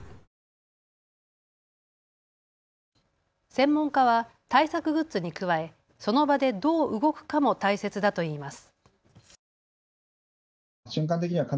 専門家は対策グッズに加えその場でどう動くかも大切だといいます。